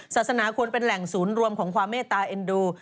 ศาสนาควรเป็นแหล่งศูนย์รวมของความเมตตาเอ็นดู